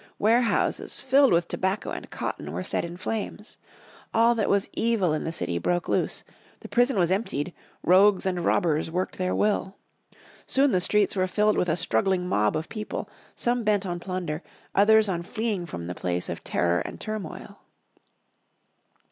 Warehouses, filled with tobacco and cotton, were set in flames. All that was evil in the city broke loose, the prison was emptied, rogues and robbers worked their will. Soon the streets were filled with a struggling mob of people, some bent on plunder, others on fleeing from the place of terror and turmoil.